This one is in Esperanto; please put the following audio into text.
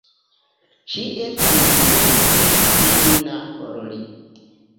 Ŝi estis multe pli juna ol li.